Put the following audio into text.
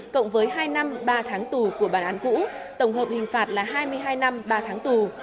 cộng với hai năm ba tháng tù của bản án cũ tổng hợp hình phạt là hai mươi hai năm ba tháng tù